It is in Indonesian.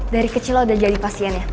dari kecil udah jadi pasiennya